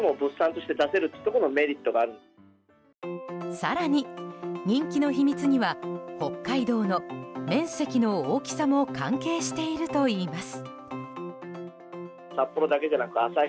更に、人気の秘密には北海道の面積の大きさも関係しているといいます。